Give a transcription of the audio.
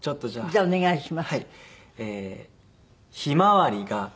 じゃあお願いします。